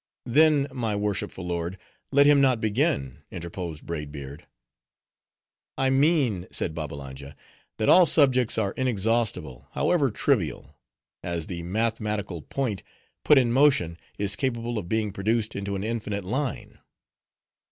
"Then, my worshipful lord, let him not begin," interposed Braid Beard. "I mean," said Babbalanja, "that all subjects are inexhaustible, however trivial; as the mathematical point, put in motion, is capable of being produced into an infinite line."